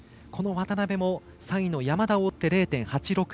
渡部も３位の山田を追って０．８６６。